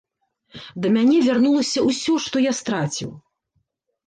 Да мяне вярнулася ўсё, што я страціў.